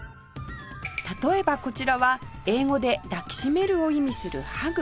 例えばこちらは英語で「抱きしめる」を意味する『−ＨＵＧ−』